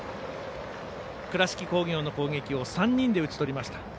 倉敷工業の攻撃を３人で打ち取りました。